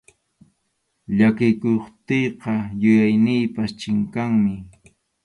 Llakikuptiyqa yuyayniypas chinkawanmi.